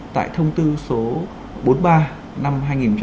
tại thông tư số bốn mươi ba năm hai nghìn một mươi ba